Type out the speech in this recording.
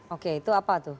oke itu apa tuh